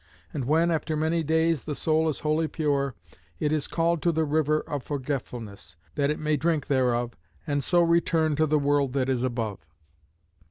And when, after many days, the soul is wholly pure, it is called to the river of forgetfulness, that it may drink thereof, and so return to the world that is above."